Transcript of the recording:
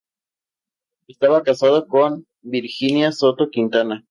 Estaba casado con Virginia Soto Quintana.